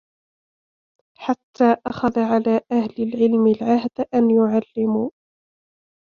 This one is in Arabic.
حَتَّى أَخَذَ عَلَى أَهْلِ الْعِلْمِ الْعَهْدَ أَنْ يُعَلِّمُوا